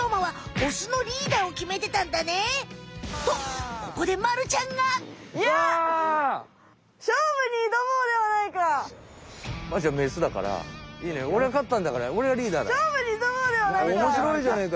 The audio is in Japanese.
おもしろいじゃねえか。